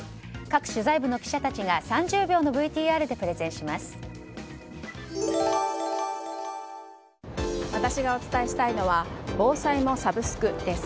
各取材部の記者たちが３０秒のＶＴＲでプレゼンします。